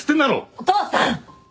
お父さん！